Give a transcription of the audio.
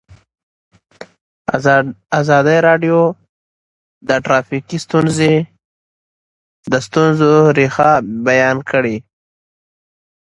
ازادي راډیو د ټرافیکي ستونزې د ستونزو رېښه بیان کړې.